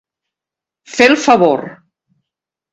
Fer el favor.